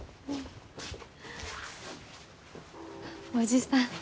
叔父さん。